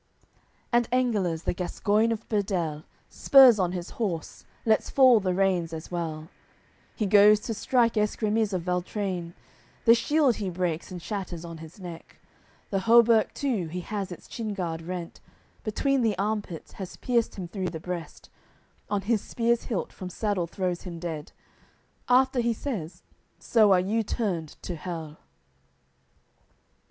C And Engelers the Gascoin of Burdele Spurs on his horse, lets fall the reins as well, He goes to strike Escremiz of Valtrene, The shield he breaks and shatters on his neck, The hauberk too, he has its chinguard rent, Between the arm pits has pierced him through the breast, On his spear's hilt from saddle throws him dead; After he says "So are you turned to hell."